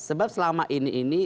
sebab selama ini ini